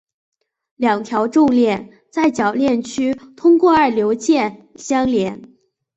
两条重链在铰链区通过二硫键相连。